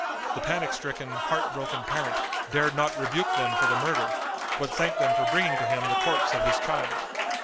The panic stricken, heartbroken parent dared not rebuke them for the murder, but thanked them for bringing to him the corpse of his child.